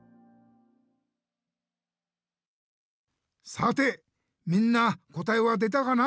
さてみんな答えは出たかな？